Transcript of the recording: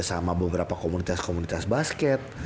sama beberapa komunitas komunitas basket